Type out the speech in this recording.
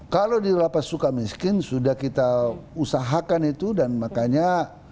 kalau di lapas suka miskin sudah kita usahakan itu dan makanya